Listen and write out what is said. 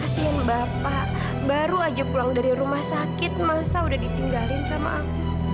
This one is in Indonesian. kasih bapak baru aja pulang dari rumah sakit masa udah ditinggalin sama aku